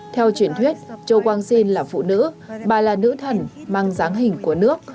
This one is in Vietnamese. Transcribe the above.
theo truyền thuyết chô quang sinh là phụ nữ bà là nữ thần mang dáng hình của nước